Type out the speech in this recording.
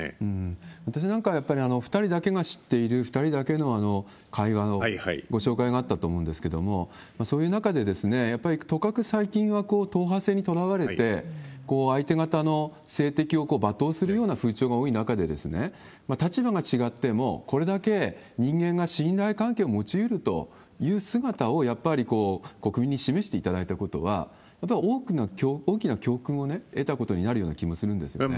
私なんかは、やっぱり２人だけが知っている、２人だけの会話のご紹介があったと思うんですけれども、そういう中で、やっぱりとかく、最近は党派性にとらわれて、相手方の政敵を罵倒するような風潮が多い中で、立場が違っても、これだけ人間が信頼関係を持ちうるという姿をやっぱり国民に示していただいたことは、やっぱり大きな教訓を得たことになるような気がするんですけどね。